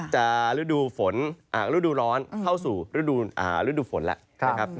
จะรูดูล้อนเข้าสู่รูดูฝนแหละ